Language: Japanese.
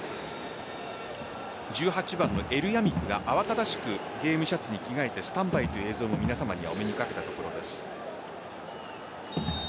１８番のエルヤミクゲームシャツに着替えてスタンバイという映像をお目にかけたと思います。